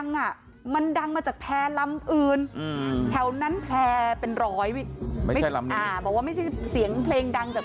น่าจะโบกเกินเศร้าหานะคะร่วมเบิดนะคะร่วมเบิดเป็นบอด